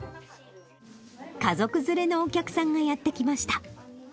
家族連れのお客さんがやって来ました。